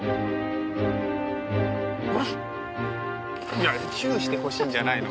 いやチュウしてほしいんじゃないの。